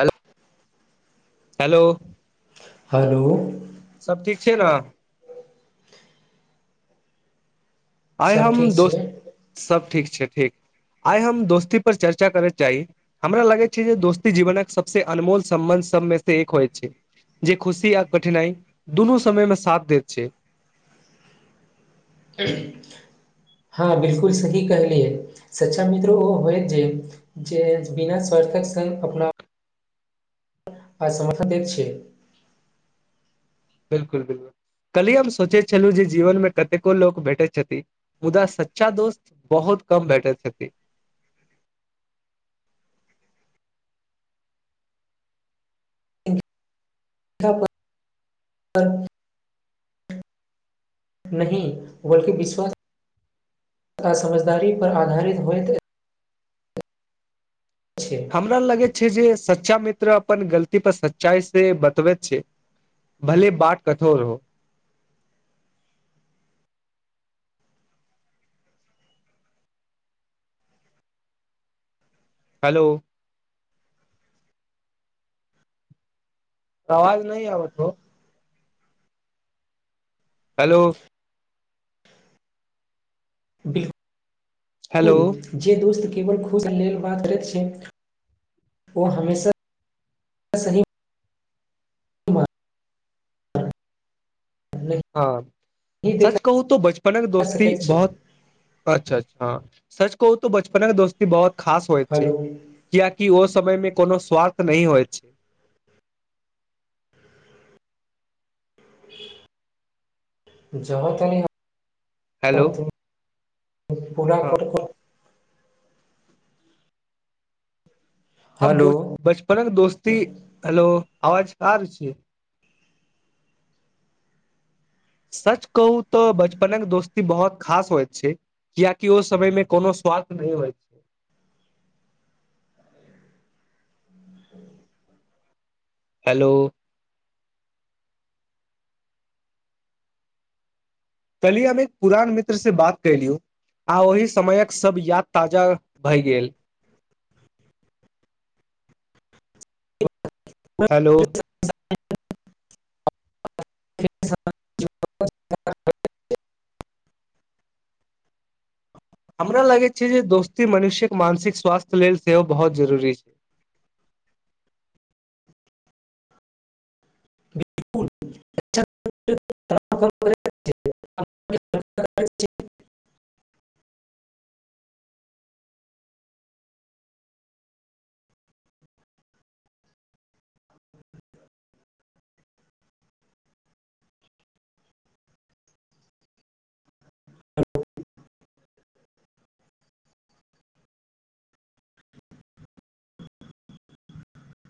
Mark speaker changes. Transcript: Speaker 1: hello hello
Speaker 2: hello
Speaker 1: सब ठीक छियै न आइ
Speaker 2: सब
Speaker 1: हम
Speaker 2: ठीक छै
Speaker 1: दोस्त सब ठीक छै ठीक आइ हम दोस्ती पर चर्चा करय चाही हमरा लगैत छैय जे दोस्ती जीवनक सबस अनमोल सम्बन्ध सबमे से एक होइ छै जे खुशी आ कठिनाई दुनू समयमे साथ दैत छै
Speaker 2: [unintelligible] हँ बिलकुल सही कहलियै सच्चा मित्र ओ होय जे जे बिना सार्थक संग अपना आइ समर्थन दे छै
Speaker 1: बिलकुल बिलकुल काल्हि हम सोचे छलहु जे जीवन मे कतेको लोक भेटे छथि मुदा सच्चा दोस्त बहुत कम बैठल छथि
Speaker 2: [unintelligible] नहीं बल्कि विश्वास समझदारी पर आधारित होइत छै
Speaker 1: हमरा लगैत छैय जे सच्चा मित्र अपन गलती पर सच्चाइ से बतबैत छैय भले बात कठोर हो हेलो आवाज नै आबत हो हेलो
Speaker 2: बिल
Speaker 1: हेलो
Speaker 2: कुल जे दोस्त केवल खुश लेल बात करैत छै ओ हमेशा सही नहि
Speaker 1: हँ सच
Speaker 2: देखा
Speaker 1: कहू तो बचपनक दोस्ती
Speaker 2: सकैत छै
Speaker 1: बहुत अच्छा हँ सच कहू तो बचपनक दोस्ती बहुत खास होइत
Speaker 2: हेलो
Speaker 1: छैय कियाकि ओ समय मे कोनो स्वार्थ नै होइ छैय
Speaker 2: जहाँ तनी
Speaker 1: हेलो
Speaker 2: हम तुम पूरा
Speaker 1: हँ
Speaker 2: कर कऽ
Speaker 1: अब
Speaker 2: हेलो
Speaker 1: ब बचपनक दोस्ती हेलो आवाज कार छैय सच कहू तऽ बचपनक दोस्ती बहुत खास होयत छैय कियाकि ओहि समय मे कोनो स्वार्थ नहि होइत छै हेलो कल्हि हम एक पुरान मित्र से बात कैयलू आ ओहि समयक सभ याद ताजा भए गेल [inaudible] हैलो हमरा लगैत छै जे दोस्ती मनुष्यक मानसिक स्वास्थ्य लेल सेहो बहुत जरूरी छै [inaudible]
Speaker 2: बिलकुल [unintelligible]